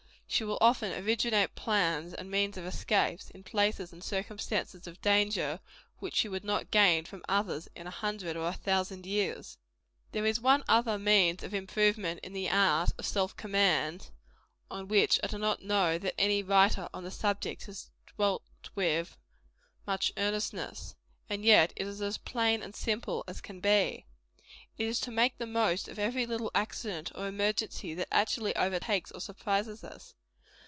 She will often originate plans and means of escape, in places and, circumstances of danger, which she would not gain from others in a hundred or a thousand years. There is one other means of improvement in the art of self command, on which I do not know that any writer on the subject has dwelt with much earnestness. And yet it is as plain and simple as can be. It is to make the most of every little accident or emergency that actually overtakes or surprises us.